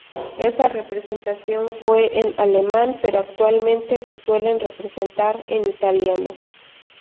Esa representación fue en alemán, pero actualmente se suele representar en italiano.